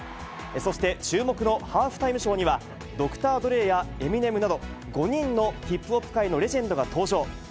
そして、注目のハーフタイムショーには、ドクター・ドレーやエミネムなど、５人のヒップホップ界のレジェンドが登場。